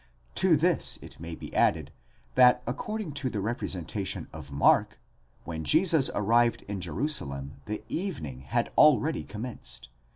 To this it may be added, that according to the representation of Mark, when Jesus arrived in Jerusalem, the evening ὀψία, had already commenced (xi.